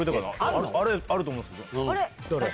あると思うんですけど。